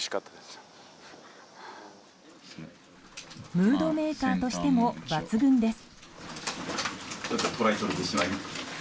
ムードメーカーとしても抜群です。